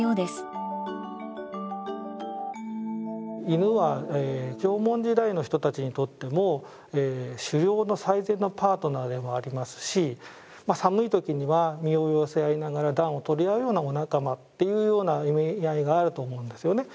犬は縄文時代の人たちにとっても狩猟の最善のパートナーでもありますし寒い時には身を寄せ合いながら暖を取り合うような仲間っていうような意味合いがあると思うんですよね。